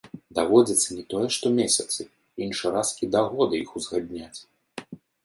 Даводзіцца не тое што месяцы, іншы раз і да года іх узгадняць.